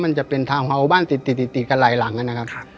มันจะเป็นทาวน์เฮาส์บ้านติดติดกันหลายหลังนะครับ